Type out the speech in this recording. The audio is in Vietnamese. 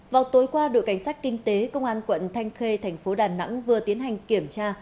vào tối qua đội cảnh sát kinh tế công an quận thanh khê thành phố đà nẵng vừa tiến hành kiểm tra